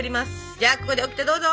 じゃあここでオキテどうぞ！